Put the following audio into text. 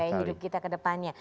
gaya hidup kita kedepannya